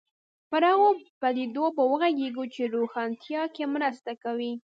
پر هغو پدیدو به وغږېږو چې روښانتیا کې مرسته کوي.